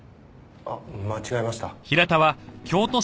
あっ間違えました。